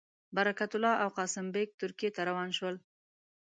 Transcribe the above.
برکت الله او قاسم بېګ ترکیې ته روان شول.